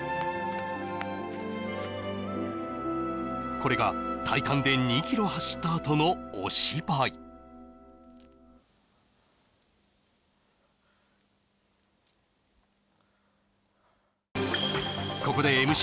これが体感で２ｋｍ走ったあとのお芝居ここでＭＣ